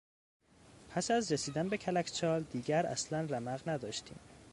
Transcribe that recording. پس از رسیدن به کلک چال دیگر اصلا رمق نداشتم.